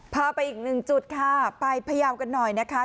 พาไปอีกหนึ่งจุดค่ะไปพยาวกันหน่อยนะคะ